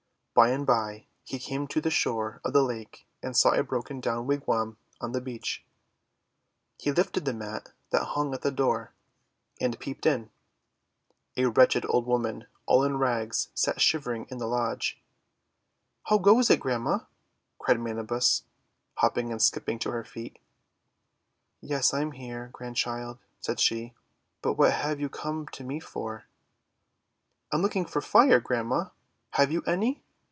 By and by he came to the shore of the lake and saw a broken down wigwam on the beach. He lifted the mat that hung at the door, and peeped 280 THE WONDER GARDEN in. A wretched old woman, all in rags, sat shivering in the lodge. 'How goes it, Grandma?' cried Manabus, hopping and skipping to her feet. ;Yes, I'm here, Grandchild," said she. "But what have you come to me for? ' ''I'm looking for Fire, Grandma; have you any?"